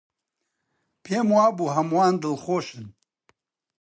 پێم وابوو هەمووان دڵخۆشن.